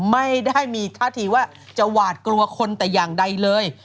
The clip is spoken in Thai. ไม่ได้มีท่าทีว่าจะหวาดกลัวคนแต่อย่างใดเลย